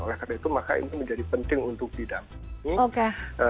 oleh karena itu maka ini menjadi penting untuk didampingi